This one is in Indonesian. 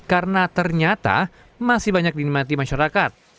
karena ternyata masih banyak dinikmati masyarakat